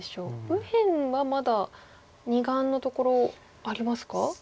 右辺はまだ２眼のところありますか？